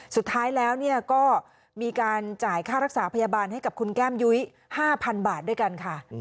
สุดท้ายแล้วก็มีการจ่ายค่ารักษาพยาบาลให้กับคุณแก้มยุ้ย๕๐๐๐บาทด้วยกันค่ะ